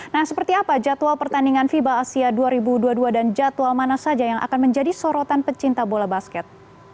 nah seperti apa jadwal pertandingan fiba asia dua ribu dua puluh dua dan jadwal mana saja yang akan menjadi sorotan pecinta bola basket